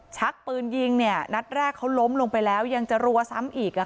ชักปืนยิงเนี่ยนัดแรกเขาล้มลงไปแล้วยังจะรัวซ้ำอีก